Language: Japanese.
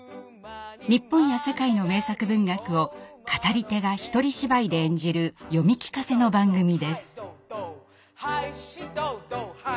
日本や世界の名作文学を語り手がひとり芝居で演じる「読み聞かせ」の番組です。